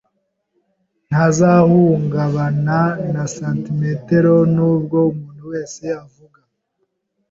Ntazahungabana na santimetero nubwo umuntu wese avuga.